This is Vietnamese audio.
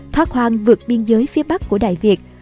thoát hoang vượt biên giới phía bắc của đại việt